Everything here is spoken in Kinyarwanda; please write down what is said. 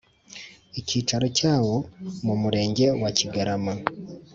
icyicaro cyawo mu murenge wa kigarama